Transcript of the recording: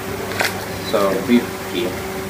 Tettṛebbi ibekki.